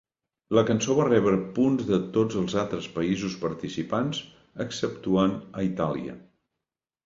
La cançó va rebre punts de tots els altres països participants exceptuant a Itàlia.